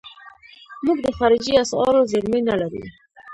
موږ د خارجي اسعارو زیرمې نه لرو.